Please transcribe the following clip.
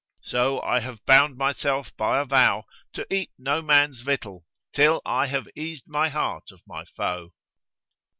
So I have bound myself by a vow to eat no man's victual till I have eased my heart of my foe."